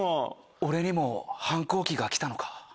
俺にも反抗期が来たのか。